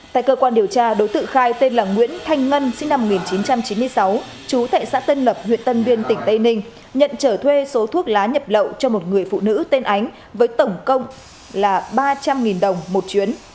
tại cơ quan điều tra đối tượng khai tên là nguyễn thanh ngân sinh năm một nghìn chín trăm chín mươi sáu chú tại xã tân lập huyện tân biên tỉnh tây ninh nhận trở thuê số thuốc lá nhập lậu cho một người phụ nữ tên ánh với tổng công là ba trăm linh đồng một chuyến